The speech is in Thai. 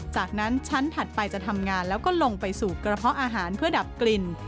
จากนั้นชั้นถัดไปจะทำงานแล้วก็ลงไปสูบกระเพาะอาหารเพื่อดับกลิ่น